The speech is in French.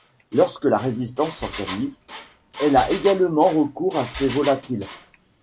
Lorsque la Résistance s'organise, elle a également recours à ces volatiles.